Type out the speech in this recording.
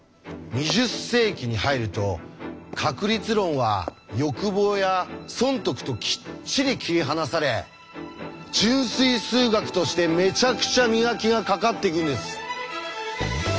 ２０世紀に入ると確率論は欲望や損得ときっちり切り離され純粋数学としてめちゃくちゃ磨きがかかっていくんです！